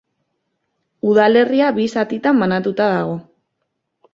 Udalerria bi zatitan banatuta dago.